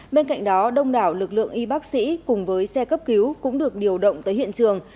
bên cạnh đó đông đảo lực lượng y bác sĩ cùng với xe cấp cứu cũng được điều động tới hiện trường